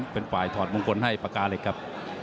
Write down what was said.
เป็นฝ่ายถอดมงคลให้ปากกาเหล็กครับ